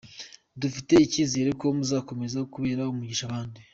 Dufite icyizere ko muzakomeza kubera umugisha abandi.